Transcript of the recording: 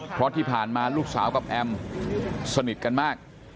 เพราะที่ผ่านมาลูกสาวกับแอมสนิทกันมาก